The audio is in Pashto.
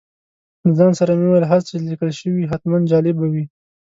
له ځان سره مې وویل هر څه چې لیکل شوي حتماً جالب به وي.